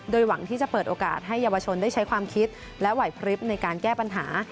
หวังที่จะเปิดโอกาสให้เยาวชนได้ใช้ความคิดและไหวพริบในการแก้ปัญหา